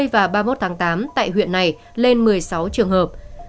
ba mươi một và ba mươi một tháng tám tại huyện này lên một mươi sáu trường hợp